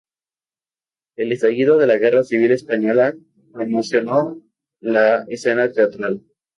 El estallido de la guerra civil española conmocionó la escena teatral.